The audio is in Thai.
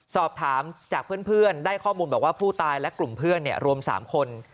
สอบถามจากเพื่อนได้ข้อมูลบอกว่าผู้ตายและกลุ่มเพื่อนรวม๓คน